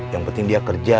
yang penting dia kerja